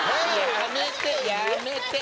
やめてやめて。